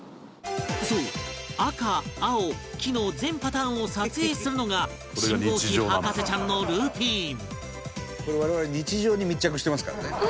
そう赤青黄の全パターンを撮影するのが信号機博士ちゃんのルーティーン我々日常に密着してますからね。